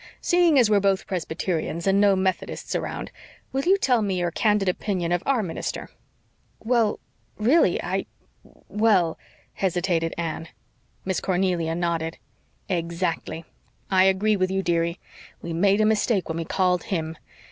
Seeing as we're both Presbyterians and no Methodists around, will you tell me your candid opinion of OUR minister?" "Why really I well," hesitated Anne. Miss Cornelia nodded. "Exactly. I agree with you, dearie. We made a mistake when we called HIM.